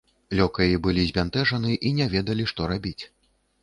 Лёкаі былі збянтэжаны і не ведалі, што рабіць.